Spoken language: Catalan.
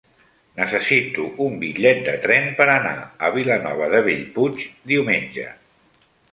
Necessito un bitllet de tren per anar a Vilanova de Bellpuig diumenge.